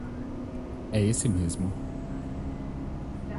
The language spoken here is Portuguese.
É esse mesmo.